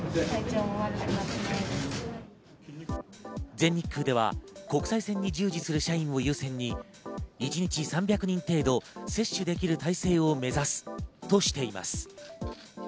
全日空では国際線に従事する社員を優先に一日３００人程度を接種できる体制を目指すとしています。